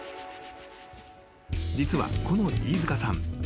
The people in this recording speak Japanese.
［実はこの飯塚さん］